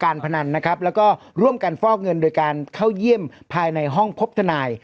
พนันนะครับแล้วก็ร่วมกันฟอกเงินโดยการเข้าเยี่ยมภายในห้องพบทนาย